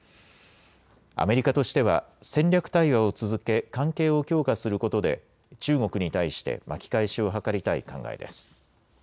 アメリカとしては戦略対話を続け関係を強化することで中国に対して巻き返しを図りたい考えです。